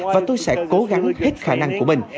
và tôi sẽ cố gắng hết khả năng của mình